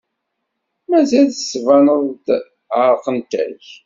Mazal tettbaneḍ-d ɛerqent-ak.